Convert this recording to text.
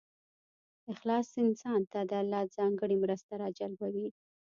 اخلاص انسان ته د الله ځانګړې مرسته راجلبوي.